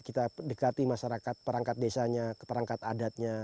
kita dekati masyarakat perangkat desanya ke perangkat adatnya